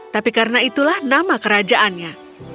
tapi karena itulah nama kerajaannya